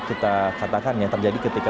kita katakan ya terjadi ketika